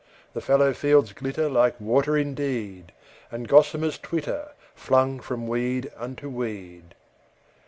The fallow fields glitter like water indeed, And gossamers twitter, flung from weed unto weed.